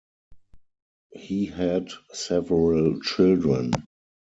He had several children.